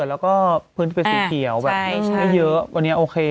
แล้วก็พื้นเป็นสีเขียวแบบไม่เยอะวันนี้โอเค